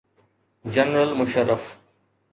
General Musharraf.